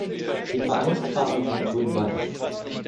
Die Vereinsfarben sind grün-weiß.